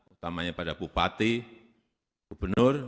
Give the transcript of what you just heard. utamanya pada bupati gubernur